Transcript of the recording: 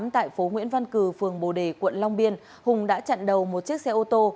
tại phố nguyễn văn cử phường bồ đề quận long biên hùng đã chặn đầu một chiếc xe ô tô